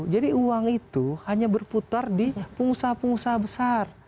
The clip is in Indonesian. jadi uang itu hanya berputar di pengusaha pengusaha besar